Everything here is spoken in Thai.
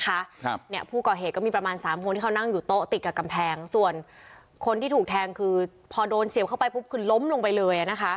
ครับเนี่ยผู้ก่อเหตุก็มีประมาณสามคนที่เขานั่งอยู่โต๊ะติดกับกำแพงส่วนคนที่ถูกแทงคือพอโดนเสียวเข้าไปปุ๊บคือล้มลงไปเลยอ่ะนะคะ